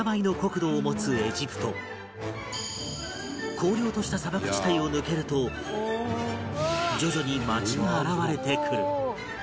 広陵とした砂漠地帯を抜けると徐々に街が現れてくる